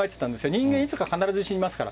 人間、いつか必ず死にますから。